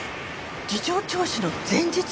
事情聴取の前日？